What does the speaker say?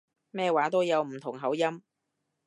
咩話都有唔同口音